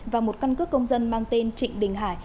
và một căn cước công dân mang tên trịnh đình hải